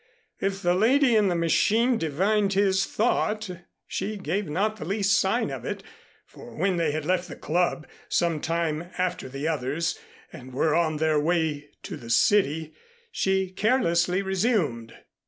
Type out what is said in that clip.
If the lady in the machine divined his thought she gave not the least sign of it; for when they had left the Club, some time after the others, and were on their way to the city, she carelessly resumed.